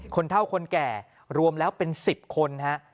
เท่าคนแก่รวมแล้วเป็น๑๐คนฮะ